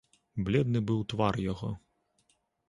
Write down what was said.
Бледны быў твар яго.